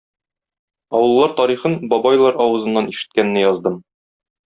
Авыллар тарихын бабайлар авызыннан ишеткәнне яздым.